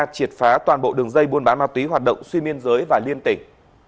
triệt phá toàn bộ đường dây buôn bán ma túy hoạt động suy miên giới và liên tỉnh